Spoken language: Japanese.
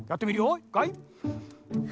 いいかい。